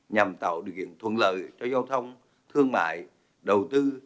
nhằm tạo điều kiện thuận lợi cho giao thông thương mại đầu tư